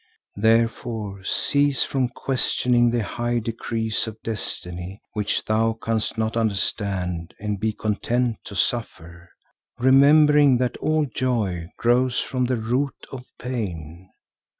Therefore cease from questioning the high decrees of destiny which thou canst not understand and be content to suffer, remembering that all joy grows from the root of pain.